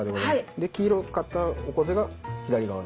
で黄色かったオコゼが左側の。